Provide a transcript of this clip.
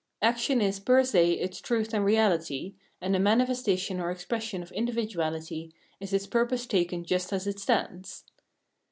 Action is fer se its truth and reahty, and the manifestation or expression of individuahty is its purpose taken just as : it stands.